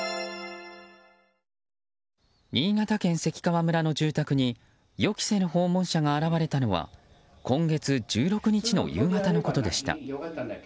新潟県関川村の住宅に予期せぬ訪問者が現れたのは今月１６日の夕方のことでした。